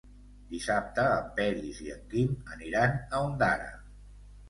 Dissabte en Peris i en Quim aniran a Ondara.